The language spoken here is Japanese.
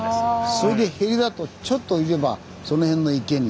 それでへりだとちょっと行けばその辺の池に。